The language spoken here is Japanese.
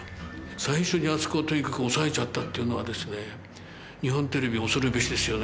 最初にあそこをとにかく押さえちゃったっていうのはですね日本テレビ恐るべしですよね。